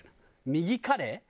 右カレイ？